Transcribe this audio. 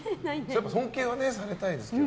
尊敬はされたいですけど。